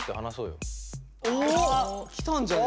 お来たんじゃね？